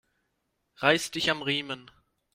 Reiß dich am Riemen!